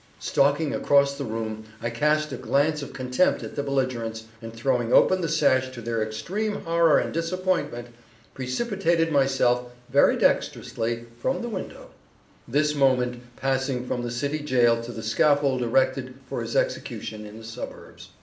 Stalking across the room I cast a glance of contempt at the belligerents, and throwing open the sash to their extreme horror and disappointment, precipitated myself, very dexterously, from the window. The mail robber W——, to whom I bore a singular resemblance, was at this moment passing from the city jail to the scaffold erected for his execution in the suburbs.